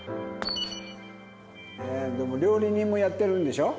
料理人もやってるんでしょ？